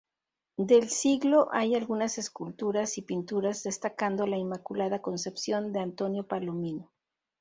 Del siglo hay algunas esculturas y pinturas, destacando la "Inmaculada Concepción" de Antonio Palomino.